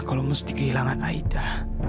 kalau mesti kehilangan aida